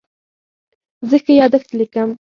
زه ښه یادښت لیکم.